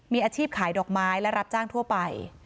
มีอาชีพขายดอกไม้และรับจ้างทั่วไป